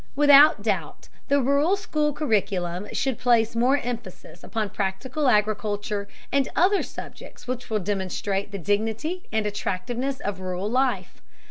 Without doubt the rural school curriculum should place more emphasis upon practical agriculture and other subjects which will demonstrate the dignity and attractiveness of rural life.